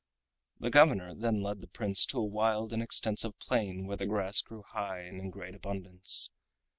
The governor then led the Prince to a wild and extensive plain where the grass grew high and in great abundance.